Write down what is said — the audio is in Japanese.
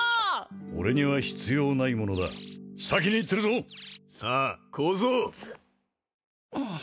俺には必要ない物だ先に行ってるぞさあ小僧！